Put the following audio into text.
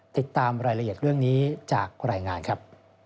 ติดตามรายละเอียดเรื่องนี้จากรายงานครับ